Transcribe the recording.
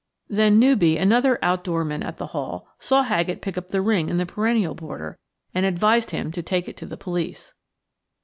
Then Newby, another outdoor man at the Hall, saw Haggett pick up the ring in the perennial border and advised him to take it to the police.